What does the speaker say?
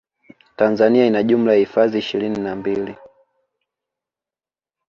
tanzania ina jumla ya hifadhi ishirini na mbili